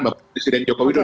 oleh presiden jokowi